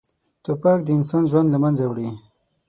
توپک د انسان ژوند له منځه وړي.